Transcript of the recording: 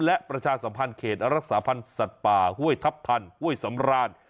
และประชาสัมพันธ์เขตรักษาพันธ์สัตว์ป่าห้วยทัพทันห้วยสำราน